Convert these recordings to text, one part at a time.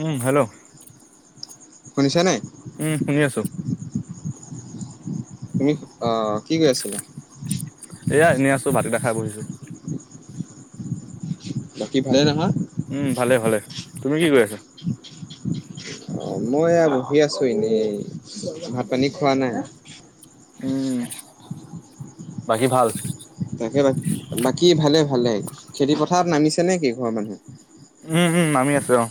উম, hello শুনিছা নাই। উম, শুনি আছোঁ। তুমি অ' কি কৰি আছিলা? এয়া এনেই আছোঁ ভাত কেইটা খাই বহিছোঁ। বাকী ভালে নহয়। উম, ভালে, ভালেই। তুমি কি কৰি আছা? [unintelligible] অ, মই এয়া বহি আছোঁ এনেই, ভাত পানী খোৱা নাই? উম, বাকী ভাল? তাকে বাক-বাকী ভালে, ভালেই। খেতি পথাৰত নামিছে নেকি ঘৰৰ মানুহ? উম, উম, নামি আছে অ'।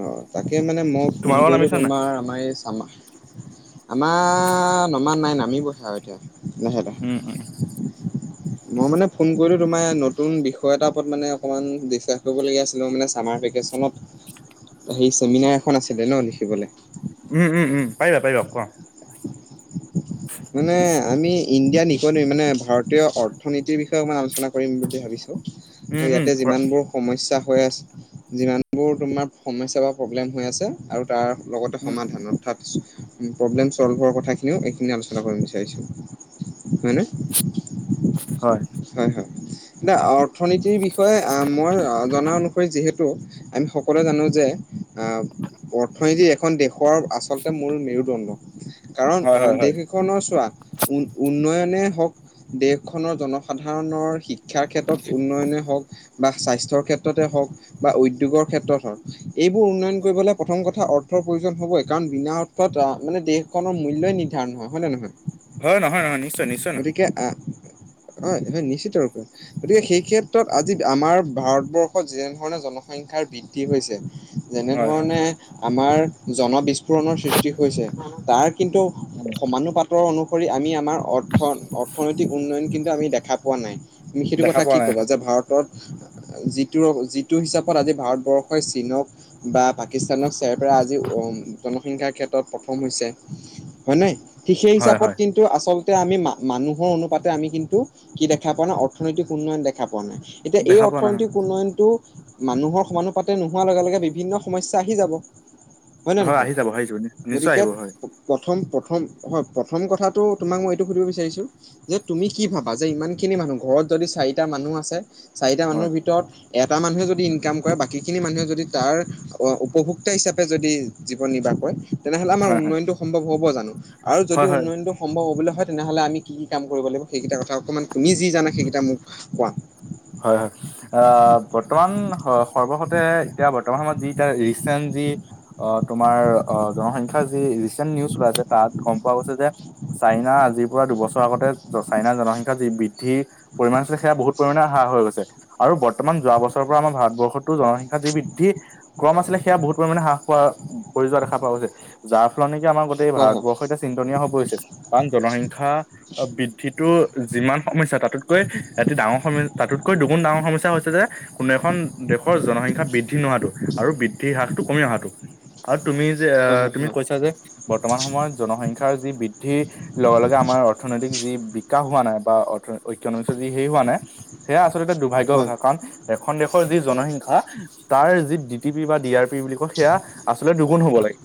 অ তাকে মানে মই ফোন তোমালোকৰ কৰিলোঁ নামিছে নাই তোমাৰ। আমাৰ এই চামা, আমাৰ নমা নাই নামিবহে আৰু এতিয়া। লাহেতে। উম উম মই মানে ফোন কৰিলোঁ তোমাৰ, নতুন বিষয় এটাৰ ওপৰত মানে অকণমান ডিচকাছ কৰিবলগীয়া আছিলে। মই মানে চামাৰ ভেকেচনত [inaudible] হেই চেমিনাৰ এখন আছিলে ন লিখিবলে? উম, উম, উম, পাৰিবা, পাৰিবা কোৱা। মানে আমি ইণ্ডিয়া ইকনমিৰ মানে, ভাৰতীয় অৰ্থনীতিৰ বিষয়ে অকমান আলোচনা কৰিম বুলি ভাবিছোঁ আৰু উম উম ইয়াতে কৰা যিমানবোৰ সমস্যা হৈ আছে, যিমানবোৰ তোমাৰ সমস্যা বা প্ৰব্লেম হৈ আছে, আৰু তাৰ লগতে উম সমাধান অৰ্থাৎ প্ৰব্লেম ছ'ল্ভৰ কথাখিনিও এইখিনি আলোচনা চনা কৰিব বিচাৰিছোঁ। হয়নে? হয়, হয়। এতিয়া অৰ্থনীতিৰ বিষয়ে আ মই আ জনা অনুসৰি যিহেতু আমি সকলোৱে জানো যে আ অৰ্থনীতি এখন দেশৰ আচলতে মূল মেৰুদণ্ড। কাৰণ হয় আ হয় দেশ হয় এখ এখনৰ চোৱা, উন- উন্নয়নে হওঁক, দেশখনৰ জনসাধাৰণৰ শিক্ষা শিক্ষাৰ ক্ষেত্ৰত উন্নয়নে হওঁক বা স্বাস্থ্যৰ ক্ষেত্ৰতে হওঁক বা উদ্যোগৰ ক্ষেত্ৰত হওঁক, এইবোৰ উন্নয়ন কৰিবলৈ প্ৰথম কথা অৰ্থৰ প্ৰয়োজন হ'বই। কাৰণ বিনা অৰ্থ অৰ্থত অ' মানে দেশখনৰ মূল্যই নিৰ্ধাৰণ হয়। হয়নে নহয়? হয় নহয় নহয় নিশ্চয় নিশ্চয় নহয় গতিকে, আ হয় এইটো নিশ্চিত ৰূপে হয়। গতিকে, সেই ক্ষেত্ৰত আজি আমাৰ ভাৰতবৰ্ষত যেনেধৰণে জনসংখ্যাৰ বৃদ্ধি হৈছে। হয় হয় যেনেধৰণে আমাৰ জনবিস্ফোৰণৰ সৃষ্টি হৈছে। তাৰ কিন্তু সমানুপাতৰ অনুসৰি, আমি আমাৰ অৰ্থ অৰ্থনৈতিক উন্নয়ন কিন্তু আমি দেখা পোৱা নাই। তুমি সেইটো দেখা কথা পোৱা কি নাই ক'বা? যে ভাৰত তত যিটোৰ যিটো হিচাপত আজি ভাৰতবৰ্ষই চীনক বা পাকিস্তানক চেৰপেলাই আজি অ' উম, জনসংখ্যাৰ ক্ষেত্ৰত প্ৰথম হৈছে, হয় নাই। ঠিক সেই হয় হিচাপত হয় কিন্তু আচলতে, আমি মা মানুহৰ অনুপাতে আমি কিন্তু কি দেখা পোৱা নাই? অৰ্থনৈতিক উন্নয়ন দেখা পোৱা নাই। এতিয়া এই দেখা পোৱা নাই হয় অৰ্থনৈতিক উন্নয়নটো মানুহৰ সমানুপাতে নোহোৱাৰ লগে লগে বিভিন্ন সমস্যা আহি যাব। হয়নে হয় নহয়? আহি যাব আহি যাব নিশ্চয় গতিকে আহিব হয় প্ৰথম প্ৰথম হয়, প্ৰথম কথাটো তোমাক মই এইটো সুধিব বিচাৰিছোঁ যে তুমি কি ভাবা? যে ইমান খিনি মানুহ, ঘৰত যদি চাৰিটা মানুহ আছে চাৰিটা হয় মানুহৰ ভিতৰত এটা মানুহে যদি ইনকাম কৰে বাকীখিনি মানুহে যদি তাৰ অ, উপভোক্তা হিচাপে যদি জীৱন নিৰ্বাহ কৰে। তেনেহ'লে আমাৰ হয় হয় উন্নয়নটো সম্ভৱ হ'ব জানো? আৰু যদি হয় হয় উন্নয়নটো সম্ভৱ হ'বলৈ হয় তেনেহ'লে আমি কি কি কাম কৰিব লাগিব? সেইকেইটা কথা অকণমান তুমি যি জানা, সেইকেইটা মোক কোৱা। হয়, হয়। আ, বৰ্তমান সৰ্বসতে এতিয়া বৰ্তমান সময়ত, যি এতিয়া, ৰিচেন্ট যি অ, তোমাৰ অ, জনসংখ্যা যি ৰিচেণ্ট নিউজ ওলাই আছে তাত গম পোৱা গৈছে যে চাইনা আজিৰ পৰা দুবছৰ আগতে চাইনাৰ জনসংখ্যা যি বৃদ্ধি পৰিমাণ আছিলে, সেয়া বহুত পৰিমাণে হা হৈ গৈছে আৰু বৰ্তমান যোৱা বছৰৰ পৰা আমাৰ ভাৰতবৰ্ষতো জনসংখ্যা যি বৃদ্ধি ক্ৰম আছিলে, সেয়া বহু পৰিমাণে হ্ৰাস পোৱা পৰি যোৱা দেখা পোৱা গৈছে। যাৰ ফলত নেকি আমাৰ গোটেই হয় ভাৰতবৰ্ষ এয়া চিন্তনীয় হৈ পৰিছে আন জনসংখ্য বৃদ্ধিটো যিমান সমস্যা তাতোতকৈ এটি ডাঙৰ সমস তাতোতকৈ দুগুণ ডাঙৰ সমস্যা হৈছে যে কোনো এখন দেশৰ জনসংখ্য বৃদ্ধি নোহাতটো আৰু বৃদ্ধি হ্ৰাসটো কমি অহাটো আৰু তুমি যে হয় আহ হয় তুমি হয় হয় কৈছা যে বৰ্তমান সময়ত জনসংখ্যৰ যি বৃদ্ধি লগে লগে আমাৰ অৰ্থনৈতিক যি বিকাশ হোৱা নাই বা অৰ্ ইকনমিক যি হে হোৱা নাই সেয়া আচলতে এটা দুৰ্ভাগ্যৰ হয় কথা কাৰণ এখন দেশৰ যি জনসংখ্যা তাৰ যি ডিটি পি বা ডি আৰ পি বুলি কয় সেয়া আচলতে দুগুণ হ'ব লাগে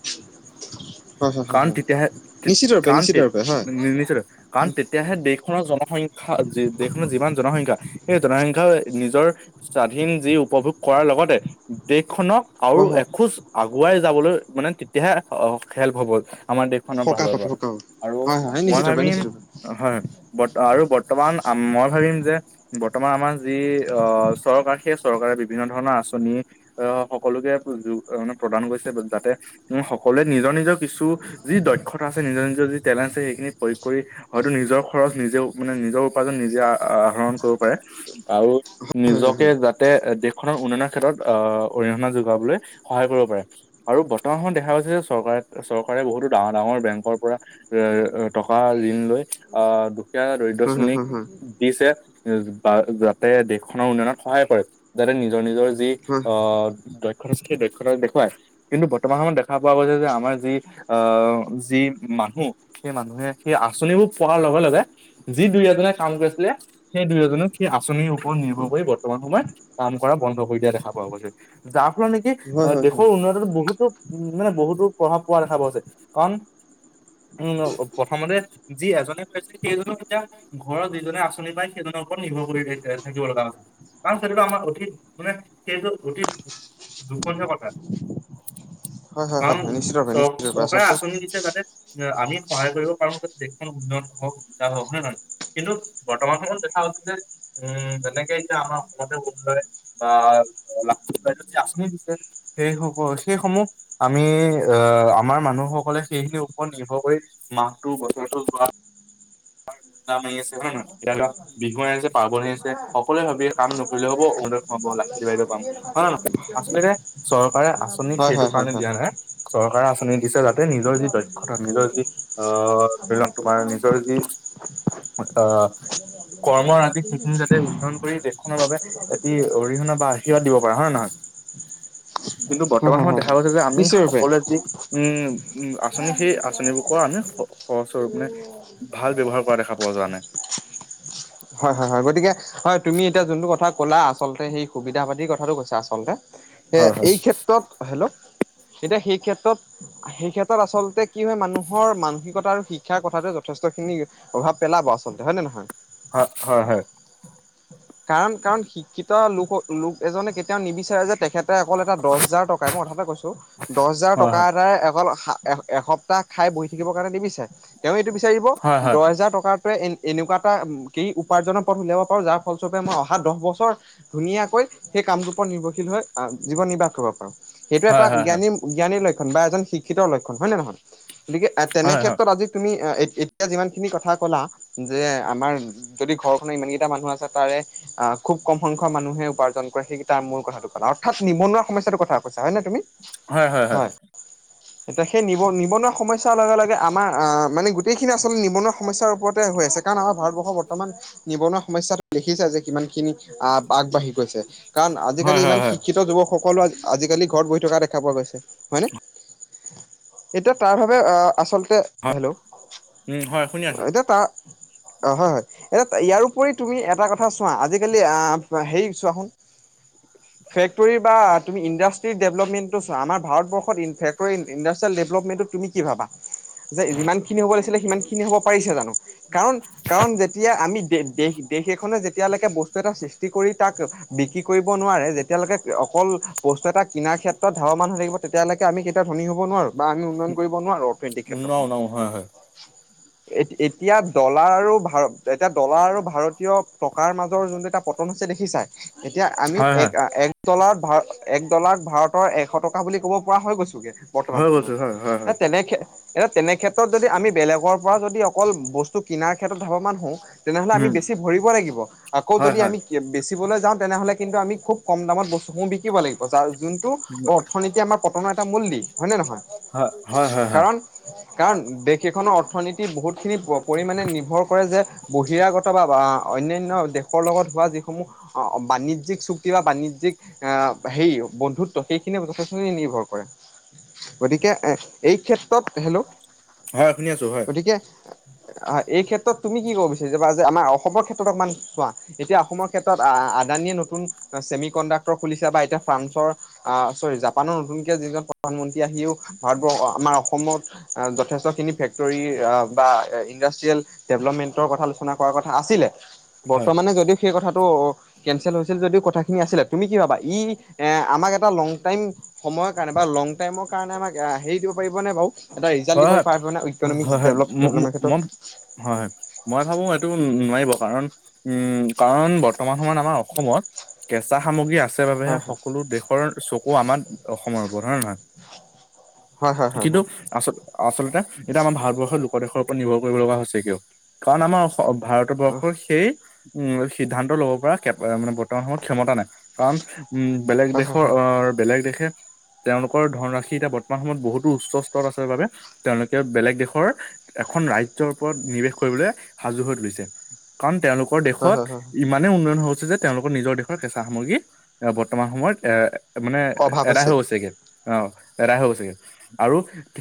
হয় হয় হয় কান হয় ইতিহ নিশ্চিত ৰূপে কান্ত নিশ্চিত ৰূপে হয় নি নিচ্ৰ কাৰণ তেতিয়াহে দেশখনৰ জনসংখ্য দেশখনৰ যিমান জনসংখ্যা সেই জনসংখ্য নিজৰ স্বাধীন যি উপভোগ কৰাৰ লগতে দেশখনক আৰু হয় হয় এখোজ আগুৱাই যাবলৈ মানে তেতিয়াহে খেল্প হ'বল আমাৰ দেশখনৰ সকাহ ভালৰ পাব সকাহ পৰা পাব আৰু হয় হয় মই নিশ্চিত ৰূপে ভাবিম নিশ্চিত ৰূপে হয় বৰ্ত আৰু বৰ্তমান মই ভাবিম যে বৰ্তমান আমাৰ যি অ চৰকাৰ সেই চৰকাৰে বিভিন্ন ধৰণৰ আঁচনি আহ সকলোকে মানে প্ৰদান কৰিছে যাতে সকলোৱে নিজৰ নিজৰ কিছু যি দক্ষতা আছে নিজৰ নিজৰ যি টেলেণ্ট আছে সেইখিনি প্ৰয়োগ কৰি হয়তো নিজৰ খৰচ নিজে মানে নিজৰ উপাৰ্জন নিজে আহ আহৰণ কৰো হয় নিজকে যতে খনৰ উন্নয়নৰ ক্ষেত্ৰত আহ অৰিহণা যোগাবলৈ সহায় কৰিব পাৰে আৰু বৰ্তমান সময়ত দেখা গৈছে যে চৰকাৰে চৰকাৰে বহুতো ডাঙৰ ডাঙৰ বেংকৰ পৰা এ টকা ঋণ লৈ আহ দুখীয়া দৰিদ্ৰ হয় হয় শ্ৰেণীক হয় হয় দিছে বা যাতে দেশখনৰ উন্নয়নত সহায় কৰে যাতে নিজৰ নিজৰ যি হয় আহ ৰত দেৰত দেখুৱা কিন্তু বৰ্তমান সময়ত দেখা পোৱা গৈছে যে আমাৰ যি আহ যি মানুহ সেই মানুহে সেই আঁচনিবোৰ পোৱাৰ লগে লগে যি দুই এজনে কাম কৰিছিলে সেই দুয়ো এজনক সেই আঁচনিৰ ওপৰত নিৰ্ভৰ কৰি বৰ্তমান সময়ত কাম কৰা বন্ধ কৰি দিয়া দেখা পোৱা গৈছে যাৰ ফলত নেকি হয় হয় অ দেশৰ উন্নয়তত বহুতো উ মানে বহুতো প্ৰভাৱ পোৱা দেখা পোৱাছে কাৰণ [unintelligible] উম প্ৰথমতে যি এজনে কৈছিলে সেইজনে এতিয়া ঘৰৰ দুইজনে আঁচনি পায় সেইজনৰওৰত নিৰ্ভৰ কৰি থাকিব লগা আছিল কাৰণ সেইটো আমাৰ অঠিক মানে সেইটো অঠিক দুখন কথাা হয় হয় হয় কাৰণ হয় নিশ্চিত ৰূপে চ নিশ্চিত ৰূপে চকে আচলতে আঁচনি দিছে তাতে আমি সহায় কৰিব পাৰো যাতে দেখোন উন্নয়ন হওক বিা হওক নে নহয় কিন্তু বৰ্তমানত হ দে উম তেনেকে এতিয়া আমাৰ অসমতে বৰে বা ল আনি দিছে সেই সকল সেই সমূহ আমি আহ আমাৰ মানুহসকলে সেইখিনিৰ ওপৰত নিৰ্ভৰ কৰি মাহতটো বছৰটো যোৱা ঠাণ্ডা মাৰি আছে হয় নে নহয় অ বিহুৱ আহ আছে পাৰ্বন হৈ আহ আছে সকলোৱে ভাবিয় কাম নকৰিলে হ'ব অনুুৰ সমাব লাখপতি বাইদেউ কাম হয় আচলতে চৰকাৰে আঁচনি হয় সেইটো হয় হয় কাৰণে হয় দিয়া নাই চৰকাৰে আঁচনি দিছে যাতে তাতে নিজৰ যি দক্ষতা নিজৰ যি আহ ধৰি লওক তোমাৰ নিজৰ যি অ কৰ্ম আজি সেইখিনি যাতে উল্য়ন কৰি দেশখনৰ বাবে এটি অৰিহণা বা আৰ্শীৰ্বাদ দিব পাৰে হয় নে নহয় কিন্তু হয় বৰ্তমান হয় সময়ত হয় দেখা হয় গৈছে যে আমি নিশ্চিত ৰূপে সকলোৱে যি উম উ আঁচনি সেই আঁচনিবোৰ ক আমি সহজৰূপ মানে ভাল ব্যৱহাৰ কৰা দেখা পোৱা যোৱা নাই হয় হয় হয় গতিকে হয় তুমি এতিয়া যোনটো কথা ক'লা আচলতে সেই সুবিধা পাদ কথাটো কৈছা আচলতে এ হয় হয় এই ক্ষেত্ৰত হেল্লো এতিয়া সেই ক্ষেত্ৰত সেই ক্ষেত্ৰত আচলতে কি হয় মানুহৰ মানসিকতা আৰু শিক্ষাৰ কথাটো যথেষ্টখিনি প্ৰভাৱ পেলাব আচলতে হয় নে নহয় হয় হয় হয় কাৰণ কাৰণ শিক্ষিত লোক লোক এজনে কেতিয়াও নিবিচাৰে যে তেখেতে অকল এটা দহ হাজাৰ টকাই মই কথা এটা কৈছো দহ হাজাৰ হয় হয় টকা এটাই অকল এসপ্তাহ খাই বহি থাকিবৰ কাৰণে নিবিচাৰে তেওঁ এইটো বিচাৰিব হয় হয় দহ হেজাৰ টকাটোৱে এ এনেকুৱা উপাৰ্জনৰ পথ উলিয়াব পাৰো যাৰ ফলস্বৰূপে মই অহা দহ বছৰ ধুনীয়াকৈ সেই কামটোৰ ওপৰত নিৰ্ভৰশীল হৈ জীৱন নিৰ্বাহ কৰিব পাৰোঁ সেইটো হয় এটা হয় জ্ঞানী জ্ঞানীৰ লক্ষণ বা এজন শিক্ষিত লক্ষণ হয় নে নহয় গতিকে এ তেনে হয় হয় ক্ষেত্ৰত আজি তুমি এতিয়া যিমান খিনি কথা ক'লা যে আমাৰ যদি ঘৰখনৰ ইমানকেইটা মানুহ আছে তাৰে অ খুব কম সংখ্যক মানুহে উপাৰ্জন কৰে সেইকেইটাৰ মোৰ কথাটো কোৱা অৰ্থাৎ নিবনুৱা সমস্যাটো কথা কৈছা হয় নে তুমি হয় হয় হয় উম এতিয়া সেই নিব নিবনুৱা সমস্যাৰ লগে লগে আমাৰ আহ মানে গোটেইখিনি আচলতে নিবনুৱা সমস্যাৰ ওপৰতে হৈ আছে কাৰণ আমাৰ ভাৰতবৰ্ষৰ বৰ্তমান নিবনুৱা সমস্যাত দেখিছে যে কিমান খিনি আহ আগবাঢ়ি গৈছে কাৰণ হয় হয় আজিকালি হয় ইমান হয় শিক্ষিত যুৱকসকলো আজিকালি ঘৰত বহি থকা দেখা পোৱা গৈছে হয় নে এতিয়া তাৰ বাবে আচলতে হেল্ল' উম হয় শুনি আছো সেইটো অ হয় হয় এ ইয়াৰপৰি তুমি এটা কথা চোৱা আজিকালি আহ হেৰি চোৱা শুন উম ফেক্টৰী বা তুমি ইণ্ডাষ্ট্ৰিয়েল ডেভলপমেণ্টটো চা আমাৰ ভাৰতবৰ্ষত ফেক্টৰী ইণ্ডাষ্ট্ৰিয়েল ডেভলপমেণ্টটো তুমি কি ভাবা যে যিমান খিনি হ'ব লাগিছিলে সিমান খিনি হ'ব পাৰিছে জানো কাৰণ কাৰণ যেতিয়া আমি দেশ তে সেইখনে যেতিয়ালৈকে বস্তু এটা সৃষ্টি কৰি তাক বিক্ৰী কৰিব নোৱাৰে যেতিয়ালৈকে অকল বস্তু এটা কিনাৰ ক্ষেত্ৰত ধাৱমান হৈ থাকিব তেতিয়ালৈকে আমি সেইটাত ধনী হ'ব নোঁৱাৰো বা আমি উন্নয়ন কৰিব নোৱাৰো অৰ্থনৈতিক উম, ন ক্ষেত্ৰখনত ন হয় হয় এতিয়া ডলাৰ আৰু ভাৰ এতিয়া ডলাৰ আৰু ভাৰতীয় টকাৰ মাজৰ যোনটো এটা পতন হৈছে দেখিছাই এতিয়া আমি হয় এক হয় এক ডলাৰত ভাৰ এক ডলাৰত ভাৰতৰ এশ টকা বুলি ক'ব পৰা হৈ গৈছোগে বৰ্তমান হৈ গৈছো সময়ত হয় হয় হয় তেনেকে এতিয়া তেনে ক্ষেত্ৰত যদি আমি বেলেগৰ পৰা যদি অকল বস্তু কিনাৰ ক্ষেত্ৰত ধাবমান হও তেনেহ'লে আমি উম বেছি ভৰিব লাগিব আকৌ হয় যদি হয় আমি বেচিবলৈ যা তেনেহ'লে কিন্তু আমি খুব কম দামত বস্তুসমূহ বিকিব লাগিব জাৰ যোনটো উম, অৰ্থনীতি আমাৰ পতনৰ এটা মূল দিশ হয় নে নহয় হয় হয় হয় হয় কাৰণ কাৰণ দেশ এখনৰ অৰ্থনীতি বহুতখিনি পৰিমাণে নিৰ্ভৰ কৰে যে, বহিৰাগত বা অন্যান্য দেশৰ লগত হোৱা যিসমূহ অ', বাণিজ্যিক চুক্তি বা বাণিজ্যিক আহ হেৰি বন্ধুত্ব সেইখিনিয়ে যথেষ্টখিনি নিৰ্ভৰ কৰে। গতিকে এ এই ক্ষেত্ৰত, হেল্ল' হয় শুনি আছো হয় গতিকে অ', এই ক্ষেত্ৰত তুমি কি ক'ব বিচাৰিবা যে, আমাৰ অসমৰ ক্ষেত্ৰত অকমান চোৱা এতিয়া অসমত ক্ষেত্ৰত আদানীয়ে নতুন ছেমিকণ্ডাক্টৰ খুলিছে বা এতিয়া ফ্ৰান্সৰ আহ চৰি জাপানৰ নতুনকে যিজন প্ৰধানমন্ত্ৰী আহিও ভাৰতবৰ্ষ আমাৰ অসমত যথেষ্ট খিনি ফেক্টৰী বা ইণ্ডাষ্ট্ৰিয়েল ডেভেলপমেণ্টৰ কথা আলোচনা কৰাৰ কথা আছিলে, হয় বৰ্তমানে যদিও সেই কথাটো কেনচেল হৈছিল যদিও কথাখিনি আছিলে, তুমি কি ভাবা সি এ আমাক এটা লং টাইম সময়ৰ কাৰণে বা লং টাইমৰ কাৰণে আমাক হেৰি দিব পাৰিব নে বাৰু এটা ৰিজাল্ট হয় দিব হয় পাৰিব হয় হয় ম- ম- ন [unintelligible] মই হয়, মই ভাবো এইটো নোৱাৰিব কাৰণ উম, কাৰণ বৰ্তমান সময়ত আমাৰ অসমত কেঁচা সামগ্ৰী আছ আছে বাবেহে হয় সকলো দেশৰ চকু আমাৰ অসমৰ ওপৰত হয় নাই? হয়, হয়, হয়, হয়। আচ-আচলতে এতিয়া আমাৰ ভাৰতবৰ্ষৰ লোক দেশৰ ওপৰত নিৰ্ভৰ কৰিব লগা হৈছে কিয়, কাৰণ আমাৰ হয় ভাৰতবৰ্ষৰ সেই উম, সিদ্ধান্ত ল'ব পৰা মানে বৰ্তমান সময়ত ক্ষমতা নাই কাৰণ উম, বেলেগ হয় দেশৰ হয় অ', বেলেগ দেশে তেওঁলোকৰ ধনৰাশি এতিয়া বৰ্তমান সময়ত বহুতো উচ্চ স্তৰত আছে বাবে তেওঁলোকে বেলেগ দেশৰ এখন ৰাজ্যৰ ওপৰত নিৱেশ কৰিবলে সাজু হৈ তুলিছে। কাৰণ তেওঁলোক হয় দেশত হয় হয় ইমানেই উন্নয়ন হৈছে যে, তেওঁলোকৰ নিজৰ দেশৰ কেঁচা সামগ্ৰী এ বৰ্তমান সময়ত এ মানে, অভাৱ এদাই হৈছে হৈ গৈছেগে। অ', এদাই হৈ গৈছেগে, আৰু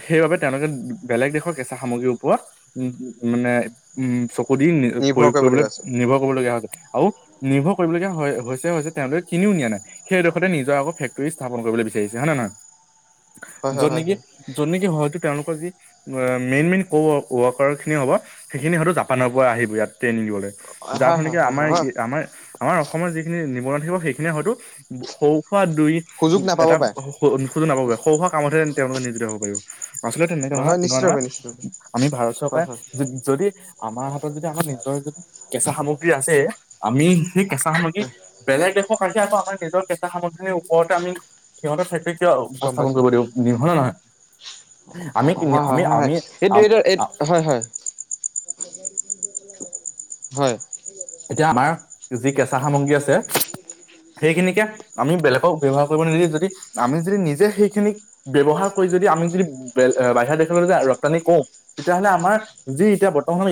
সেইবাবে [unintelligible] বেলেগ দা কেচা সামগ্ৰীৰ ওপৰত [unintelligible] নিৰ্ভৰ প্ৰয়োগ কৰিবলৈ কৰিবলগীয়া হৈছে নিৰ্ভৰ কৰিবলগীয়া হয়, আৰু নিৰ্ভৰ কৰিবলগীয়া হৈছে-হৈছে তেওঁলোকে কিনিও নিয়া নাই। সেইডোখতে নিজে আকৌ ফেক্টৰী স্থাপন কৰিব বিচাৰিছে হয়নে নহয়? হয় হয় য'ত হয় নেকি, য'ত নেকি, হয়তো তেওঁলোকৰ যি মেইন-মেইন কৱৰ্কাৰ খিনি হ'ব সেইখিনি হয়তো জাপানৰ পৰা আহিব ইয়াত ট্ৰেইনিং দিবলে। হয় যাৰ হয় হয় [unintelligible] হয় হয় হয় আমাৰ-আমাৰ আমাৰ অসমৰ যিখিনি নিবনুৱা থাকিব, সেইখিনিয়ে হয়তো সৌ খোৱা দুই সুযোগ নাপাব এটা পাৰে [unintelligible] কামতহে তেওঁলোকে নিজিত হ'ব পাৰিব। আচলতে তেনেকে হয় নহয় হয় তেনেকুৱা নহয়। নিশ্চিতভাৱে নিশ্চিতভাৱে আমি ভাৰত হয় চৰকাৰে হয় যদি আমাৰ হাতত যদি আমাৰ নিজৰ যদি কেঁচা সামগ্ৰী আছে, আমি সেই কেঁচা সামগ্ৰী হয় বেলেগ দেশক আহি আকৌ আমাৰ নিজৰ কেঁচা সামগ্ৰীৰ ওপৰতে আমি [unintelligible] গম উপস্থাপন পাইছো কৰিব দিব হয়নে নহয়? আমি হয়, হয়, আমি হয়, হয়। আমি আম এইটো এই আ হয়, হয়। হয়। এতিয়া আমাৰ যি কেঁচা সামগ্ৰী আছে সেইখিনিকে আমি বেলেগক ব্যৱহাৰ কৰিব নিদি, যদি আমি যদি নিজে সেইখিনিক ব্যৱহাৰ কৰি যদি আমি যদি বাহিৰা দেশলৈ য ৰপ্তানি কৰু তেতিয়াহ'লে আমাৰ যি এতিয়া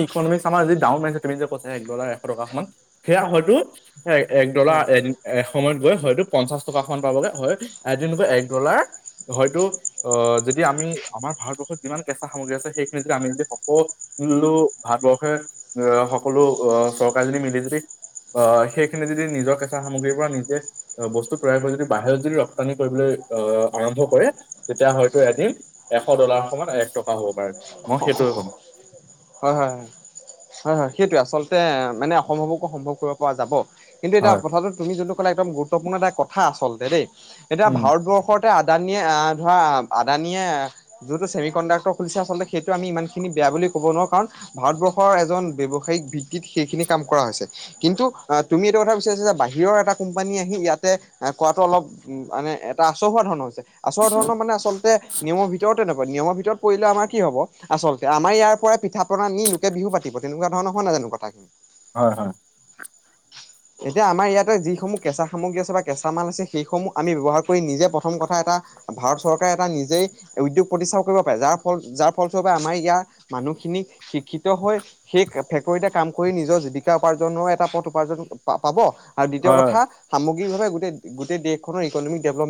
ইকনমিক্ আমাৰ যি ডাউন [unintelligible] যে কৈছা একদ [unintelligible] সেয়া হয়তো এক ডলা হয় এদিন এসময়ত গৈ হয়তো পঞ্চাশ টকা খন পাবগে হয়, এদিন গৈ এক ডলাৰ হয়তো অ', যদি আমি আমাৰ ভাৰতবৰ্ষত যিমান কেঁচা সামগ্ৰী আছে সেইখিনি যদি আমি যদি সকল [unintelligible] ভাৰতবৰ্ষে এ সকলো আহ চৰকাৰীজনী মিলি জুলি অ', সেইখিনি যদি নিজৰ কেঁচা সামগ্ৰীৰ পৰা নিজে বস্তু তৈয়াৰ কৰি যদি বাহিৰত যদি ৰপ্তানি কৰিবলৈ আহ আৰম্ভ কৰে তেতিয়া হয়তো এদিন এশ ডলাৰ সময়ত এক টকা হ'ব পাৰে মই সেইটোয়ে ক'ম হয় হয় হয় হয় হয় সেইটোৱে আচলতে মানে অসম্ভৱকো সম্ভৱ কৰিব পৰা যাব কিন্তু এতিয়া হয় কথাটো তুমি যোনটো ক'লে একদম গুৰুত্বপূৰ্ণ এটা কথা আচলতে দেই এতিয়া উম ভাৰতবৰ্ষৰ ত আদানীয়ে আহ ধৰা আদানীয়ে যোনটো চেমি কণ্ডাক্ট খুলিছে আচলতে সেইটো আম ইমান খিনি বেয়া বুলি ক'ব নোৱাৰো কাৰণ ভাৰতবৰ্ষৰ এজন ব্যৱসায়িক ভিত্তিত সেইখিনি কাম কৰা হৈছে কিন্তু তুমি এইটো কথা বিচাৰিছা যে বাহিৰৰ এটা কোম্পানী আহি ইয়াতে কোৱাটো অলপ উ মানে এটা আচল হোৱা ধৰণৰ হৈছে আচল ধৰণৰ মানে আচলতে নিয়মৰ ভিতৰতে নাপায় নিয়মৰ ভিতৰত পৰিলে আমাৰ কি হ'ব আচলতে আমাৰ ইয়াৰ পিঠ পনা নিে বিহু পাতি তেনেকুৱা ধৰণৰ হয় ন জানো কথা খিনি হয় হয় এতিয়া আমাৰ ইয়াতে যিসমূহ কেঁচা সামগ্ৰী আছে বা কেঁচা মাল আছে সেইসমূহ আমি ব্যৱহাৰ কৰি নিজে প্ৰথম কথা এটা ভাৰত চৰকাৰে এটা নিজেই উদ্যোগ প্ৰতিষ্ঠা কৰিব পাৰে যাৰ ফল যাৰ ফলস্বৰূপে আমাৰ ইয়াৰ মানুহখিনিক শিক্ষিত হৈ সেই ফেক্টৰীতে কাম কৰি নিজৰ জীৱিকা উপাৰ্জনৰ এটা পথ উপাৰ্জন াব আৰু দ্বিতীয় হয় কথা সামগভাৱে গ গ দেশনৰ ইভপে